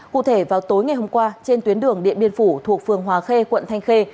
cụ thể vào tối ngày hôm qua trên tuyến đường điện biên phủ thuộc phường hòa khê quận thanh khê